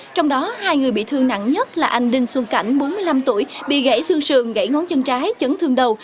trong đó hai người bị thương nặng nhất là anh đinh xuân cảnh bốn mươi năm tuổi bị gãy xương sườn gãy ngón chân trái chấn thương đầu